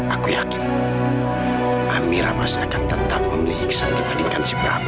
aku yakin amira pasti akan tetap memilih iksan dibandingkan si prabu